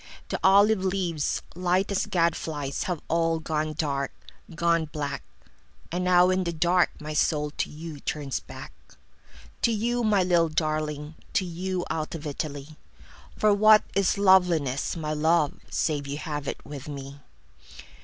The olive leaves, light as gad flies, Have all gone dark, gone black. And now in the dark my soul to youTurns back. To you, my little darling, To you, out of Italy.For what is loveliness, my love, Save you have it with me!